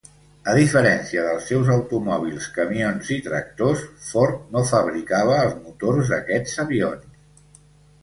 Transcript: A diferència dels seus automòbils, camions i tractors, Ford no fabricava els motors d'aquests avions.